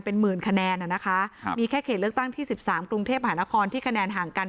เป็นหมื่นคะแนนอ่ะนะคะครับมีแค่เขตเลือกตั้งที่สิบสามกรุงเทพหานครที่คะแนนห่างกัน